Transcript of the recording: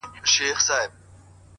شكر دى چي مينه يې په زړه كـي ده _